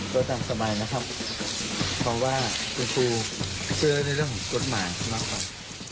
ก็ตามสบายนะครับเพราะว่าคุณครูเชื่อในเรื่องของกฎหมายมากกว่า